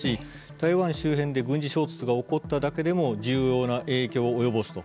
台湾周辺で台湾で衝突が起こっただけでも重要な影響を及ぼすと。